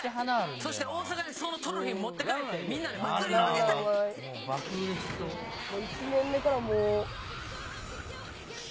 そして大阪にそのトロフィー持って帰って、みんなでまつりをあげたい。